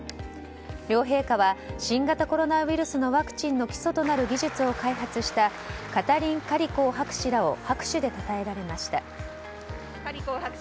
両陛下は、新型コロナウイルスのワクチンの基礎となる技術を開発したカタリン・カリコー博士らを拍手でたたえられました。